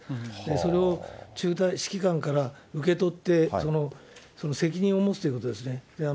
それを中隊指揮官から受け取って、責任を持つということですね。